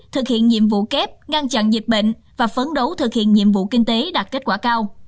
thực hiện nhiệm vụ kép ngăn chặn dịch bệnh và phấn đấu thực hiện nhiệm vụ kinh tế đạt kết quả cao